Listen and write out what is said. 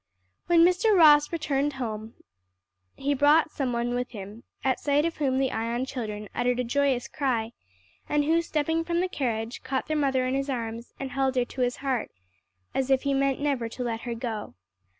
When Mr. Ross returned home, he brought some one with him at sight of whom the Ion children uttered a joyous cry, and who stepping from the carriage, caught their mother in his arms and held her to his heart, as if he meant never to let her go.